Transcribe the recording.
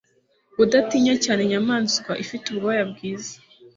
udatinya cyane inyamaswa ifite ubwoya bwiza